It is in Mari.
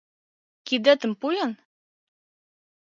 — Кидетым пу-ян!